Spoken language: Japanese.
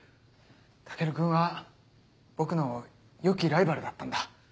武尊君は僕の良きライバルだったんだ。